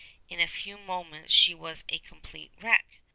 In a few moments she was a complete wreck!